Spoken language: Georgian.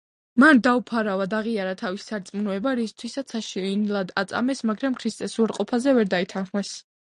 მან დაუფარავად აღიარა თავისი სარწმუნოება, რისთვისაც საშინლად აწამეს, მაგრამ ქრისტეს უარყოფაზე ვერ დაითანხმეს.